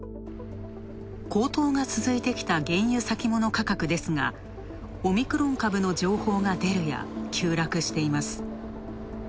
高騰が続いてきた原油先物価格ですがオミクロン株の情報が出るや、急落しています。